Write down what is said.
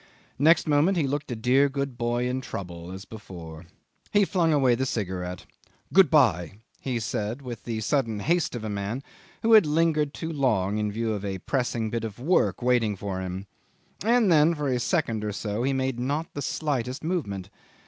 Next moment he looked a dear good boy in trouble, as before. He flung away the cigarette. "Good bye," he said, with the sudden haste of a man who had lingered too long in view of a pressing bit of work waiting for him; and then for a second or so he made not the slightest movement.